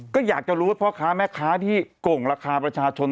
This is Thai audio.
ก็อยากจะรู้ว่าพ่อค้าแม่ค้าที่โก่งราคาประชาชน